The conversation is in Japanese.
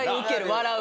笑う。